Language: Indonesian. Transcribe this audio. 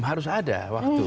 harus ada waktu